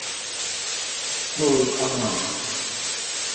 Thôi ông ạ